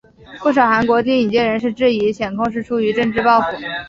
不少韩国电影界人士质疑检控是出于政治报复。